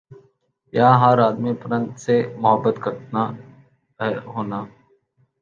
یَہاں ہَر آدمی پرند سے محبت کرنا ہونا ۔